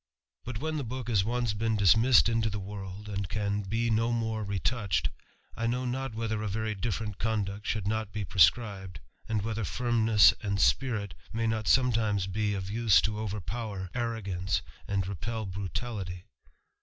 But when the book has once been dismissed into the world, and can be no more retouched, I know not whether a very different conduct should not be prescribed, and whether firmness and spirit may not sometimes be ot use to overpower arrogance and repel brutality.